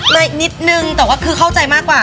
นิดนึงแต่ว่าคือเข้าใจมากกว่า